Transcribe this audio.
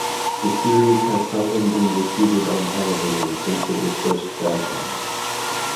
The series has seldom been repeated on television since it was first broadcast.